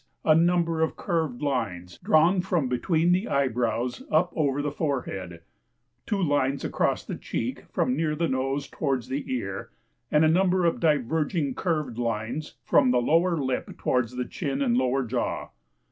a number of curved lines drawn from between the eyebrows up over the forehead, two lines across the cheek from near the nose towards the ear, and a number of diverging curved lines from the lower lip towards the chin and lower jaw.